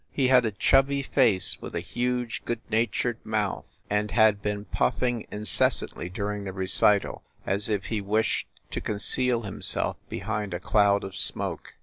He had a chubby face with a huge, good natured mouth, and had been puffing in 66 FIND THE WOMAN cessantly during the recital, as if he wished to con ceal himself behind a cloud of smoke.